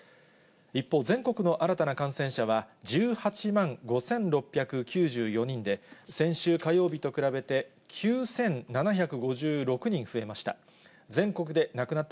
一方、全国の新たな感染者は１８万５６９４人で、先週火曜日と比べて９７５６人増えました。